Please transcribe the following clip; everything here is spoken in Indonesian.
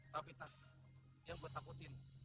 tapi tak yang bertakutin